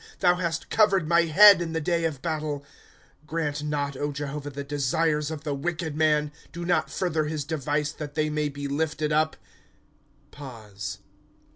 Thou hast covered my head in tlie day of battle. ^ Grant not, O Jehovah, the desires of tlie wicked man ; Do not further his device, that they may be lifted up,